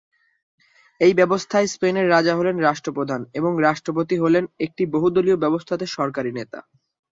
এই ব্যবস্থায় স্পেনের রাজা হলেন রাষ্ট্রপ্রধান এবং রাষ্ট্রপতি হলেন একটি বহুদলীয় ব্যবস্থাতে সরকারি নেতা।